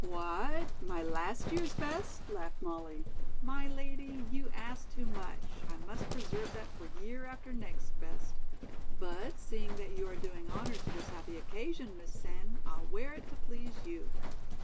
"What, my last year's best?" laughed Molly. "My lady, you ask too much. I must preserve that for year after next best. But, seeing that you are doing honor to this happy occasion, Miss Sen, I'll wear it to please you."